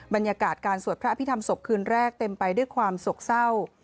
บรรยากาศการสวดพระอภิษฐรรศพคืนแรกเต็มไปด้วยความโศกเศร้า